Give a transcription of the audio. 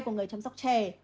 của người chăm sóc trẻ